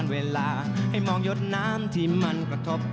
สนุนโดยอีซุสุสุข